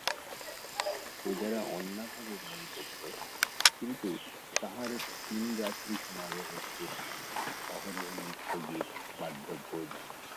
প্রজারা অন্নাভাবে মরিতেছে, কিন্তু তাঁহার দিনরাত্রি সমারোহের শেষ নাই–অহরহ নৃত্য গীত বাদ্য ভোজ।